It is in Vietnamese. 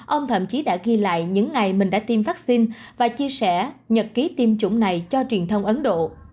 ông thậm chí đã ghi lại những ngày mình đã tiêm vaccine và chia sẻ nhật ký tiêm chủng này cho truyền thông ấn độ